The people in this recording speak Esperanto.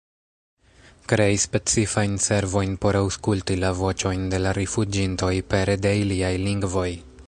Krei specifajn servojn por aŭskulti la voĉojn de la rifuĝintoj pere de iliaj lingvoj.